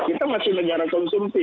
kita masih negara konsumsi